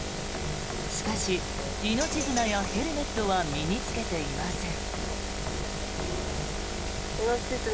しかし、命綱やヘルメットは身に着けていません。